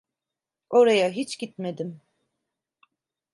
Oraya hiç gitmedim.